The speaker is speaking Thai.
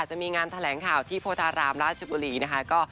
จะมีงานแถลงข่าวที่โพธารามราชบุรีนะคะ